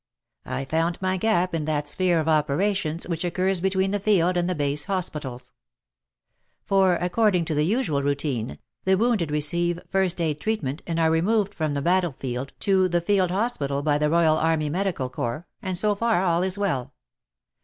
I found my gap in that sphere of operations which occurs between the field and the base hospitals. For, according to the usual routine, the wounded receive first aid treatment and are 10 WAR AND WOMEN removed from the battlefield to the field hospital by the Royal Army Medical Corps, and so far all is well.